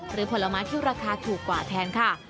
ผลไม้ที่ราคาถูกกว่าแทนค่ะ